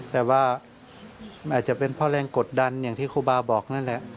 แต่ว่าอาจจะเป็นเพราะแรงกดดันอย่างที่ครูบาบอกนั่นแหละ